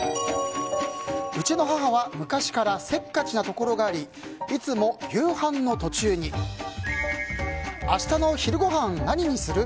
うちの母は昔からせっかちなところがありいつも夕飯の途中に明日の昼ごはん何にする？